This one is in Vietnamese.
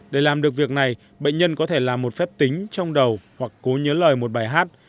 để làm được việc này bệnh nhân có thể làm một phép tính trong đầu hoặc cố nhớ lời một bài hát